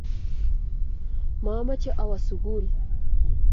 Mamoche awo sugul.